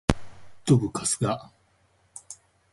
どぶカスが